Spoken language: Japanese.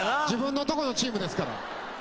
自分のとこのチームですから。